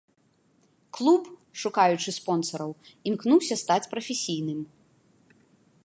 Клуб, шукаючы спонсараў, імкнуўся стаць прафесійным.